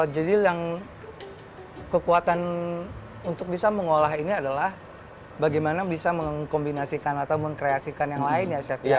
jadi yang kekuatan untuk bisa mengolah ini adalah bagaimana bisa mengkombinasikan atau mengkreasikan yang lain ya chef ya